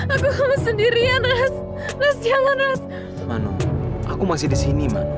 aku mohon lindungi aku ya allah